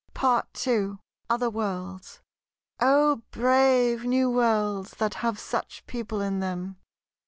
PART II OTHER WORLDS "O brave new worlds, That have such people in them!"